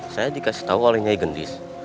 saya dikasih tahu oleh nyai gendis